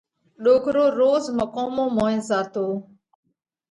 ڏوڪرو روز مقومون موئين زاتو